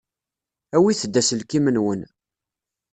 Awit-d aselkim-nwen.